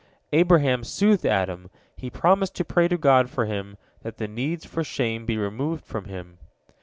Abraham soothed Adam. He promised to pray to God for him, that the need for shame be removed from him.